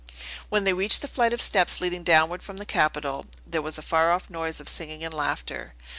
When they reached the flight of steps leading downward from the Capitol, there was a faroff noise of singing and laughter.